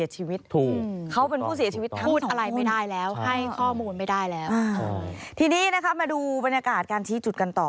ทีนี้นะคะมาดูบรรยากาศการชี้จุดกันต่อ